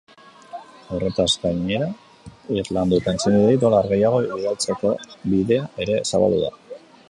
Horretaz gainera, irlan duten senideei dolar gehiago bidaltzeko bidea ere zabaldu da.